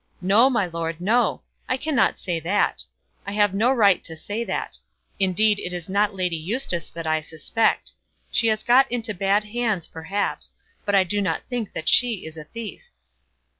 "No, my lord; no. I cannot say that. I have no right to say that. Indeed it is not Lady Eustace that I suspect. She has got into bad hands, perhaps; but I do not think that she is a thief."